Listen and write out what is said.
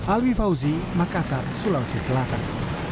alwi fauzi makassar sulawesi selatan